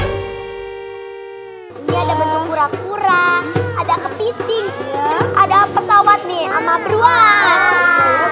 ini ada bentuk kura kura ada kepiting terus ada pesawat nih sama beruang